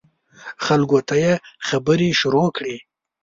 خلکو ته یې خبرې شروع کړې.